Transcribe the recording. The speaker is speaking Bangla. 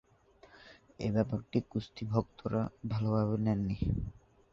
এই ব্যাপারটি কুস্তি ভক্তরা ভালোভাবে নেননি।